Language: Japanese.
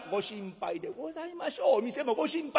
お店もご心配。